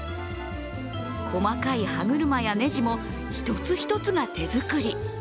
細かい歯車やネジも一つ一つが手作り。